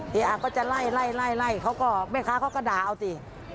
แม่ค้าก็จะไล่ไล่ไล่เขาก็ด่าเอาสิ